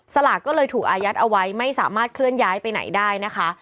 สลากก็เลยถูกอายัดเอาไว้ไม่สามารถเคลื่อนย้ายไปไหนได้นะคะ